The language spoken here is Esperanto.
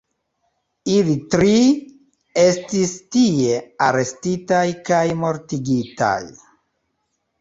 Ili tri estis tie arestitaj kaj mortigitaj.